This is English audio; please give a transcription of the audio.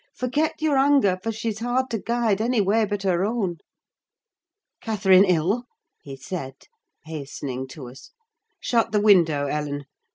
Forget your anger, for she's hard to guide any way but her own." "Catherine ill?" he said, hastening to us. "Shut the window, Ellen!